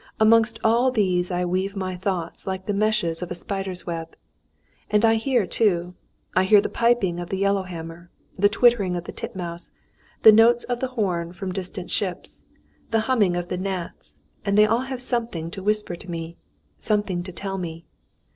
Amongst all these I weave my thoughts like the meshes of a spider's web. And I hear, too. I hear the piping of the yellow hammer, the twittering of the titmouse, the notes of the horn from distant ships, the humming of the gnats, and they all have something to whisper to me, something to tell me.